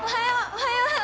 おはよう花！